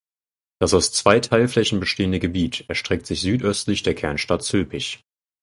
Das aus zwei Teilflächen bestehende Gebiet erstreckt sich südöstlich der Kernstadt Zülpich.